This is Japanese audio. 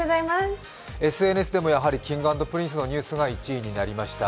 ＳＮＳでもやはりＫｉｎｇ＆Ｐｒｉｎｃｅのニュースが１位になりました。